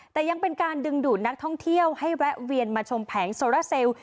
แต่ยังเป็นการดึงดูดนักท่องเที่ยวให้แวะเวียนมาชมแผงโซราเซล